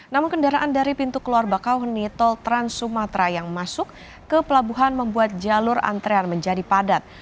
namun kendaraan dari pintu keluar bakauheni tol trans sumatra yang masuk ke pelabuhan membuat jalur antrean menjadi padat